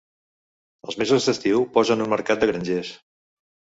Als mesos d"estiu posen un mercat de grangers.